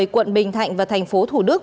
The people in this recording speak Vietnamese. quận bình thạnh và tp thủ đức